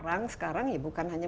orang sekarang ya bukan hanya